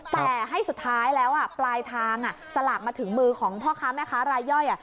แต่ให้สุดท้ายแล้วปลายทางสลากมาถึงมือของพ่อค้าแม่ค้ารายย่อย